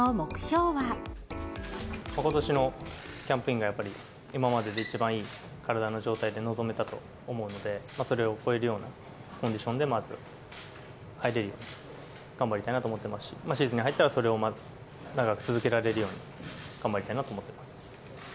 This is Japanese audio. ことしのキャンプインがやっぱり、今までで一番いい体の状態で臨めたと思うので、それを超えるようなコンディションでまず入れるように、頑張りたいなと思ってますし、シーズンに入ったら、それをまず長く続けられるように頑張りたいなと思ってます。